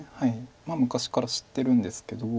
昔から知ってるんですけど。